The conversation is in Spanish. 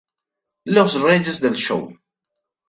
Los reyes del show